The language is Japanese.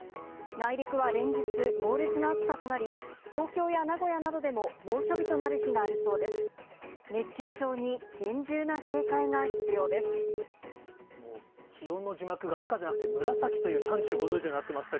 内陸は連日、猛烈な暑さとなり、東京や名古屋などでも猛暑日となる日がありそうです。